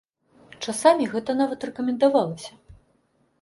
Часамі гэта нават рэкамендавалася.